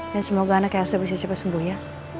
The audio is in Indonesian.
dan semoga anak elsa bisa cepat sembuh ya